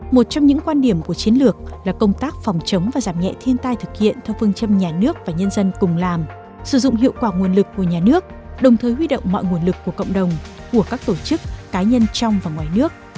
một trong những quan điểm của chiến lược là công tác phòng chống và giảm nhẹ thiên tai thực hiện theo phương châm nhà nước và nhân dân cùng làm sử dụng hiệu quả nguồn lực của nhà nước đồng thời huy động mọi nguồn lực của cộng đồng của các tổ chức cá nhân trong và ngoài nước